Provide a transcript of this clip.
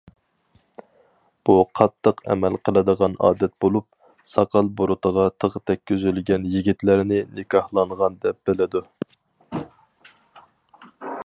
بۇ قاتتىق ئەمەل قىلىدىغان ئادەت بولۇپ، ساقال- بۇرۇتىغا تىغ تەگكۈزۈلگەن يىگىتلەرنى نىكاھلانغان دەپ بىلىدۇ.